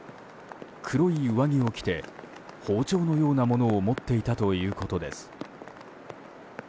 黒い上着を着て包丁のようなものを持っていたということです。